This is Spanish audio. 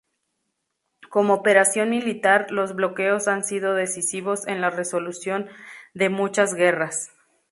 Como operación militar, los bloqueos han sido decisivos en la resolución de muchas guerras.